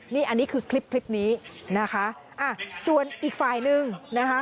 นี่อันนี้คือคลิปคลิปนี้นะคะอ่ะส่วนอีกฝ่ายหนึ่งนะคะ